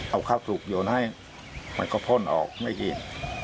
เอาข้าวสุกโยนให้มันก็พ่นออกไม่กิน